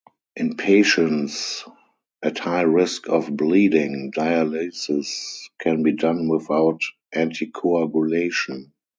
In patients at high risk of bleeding, dialysis can be done without anticoagulation.